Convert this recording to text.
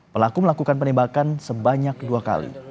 pelaku melakukan penembakan sebanyak dua kali